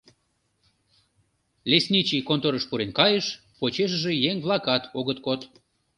Лесничий конторыш пурен кайыш, почешыже еҥ-влакат огыт код.